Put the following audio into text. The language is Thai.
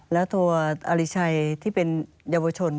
แล้วตัวอริชัยที่เป็นเยาวชน